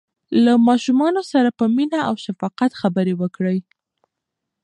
له ماشومانو سره په مینه او شفقت خبرې کوئ.